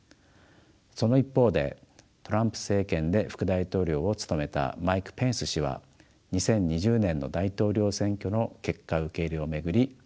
その一方でトランプ政権で副大統領を務めたマイク・ペンス氏は２０２０年の大統領選挙の結果受け入れを巡りトランプ氏と対立しています。